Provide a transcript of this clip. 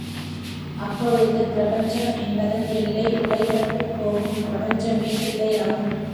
அப்பொழுது பிரபஞ்சம் என்பதன் எல்லை உடை பட்டுப் போகும் பிரபஞ்சமே இல்லையாகும்.